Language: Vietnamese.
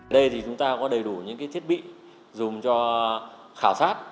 đây thì chúng ta có đầy đủ những thiết bị dùng cho khảo sát